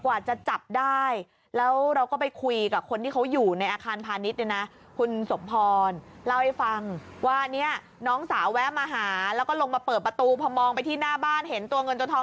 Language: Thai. กว่าจะจับได้แล้วเราออกไปคุยกับคนที่เขาอยู่ในอาคารพานิชด์เลยนะ